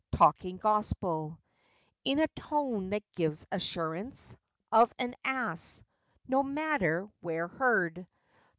Talking "Gospel," In a tone that gives assurance Of an ass, no matter where heard.